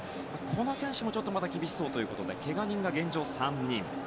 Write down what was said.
この選手もまだ厳しそうということでけが人が現状３人。